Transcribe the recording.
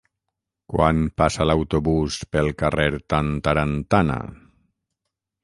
Quan passa l'autobús pel carrer Tantarantana?